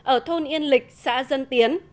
ở thôn yên lịch xã dân tiến